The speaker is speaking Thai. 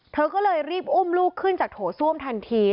เธอก็เลยรีบอุ้มลูกขึ้นจากโถส้วมทันที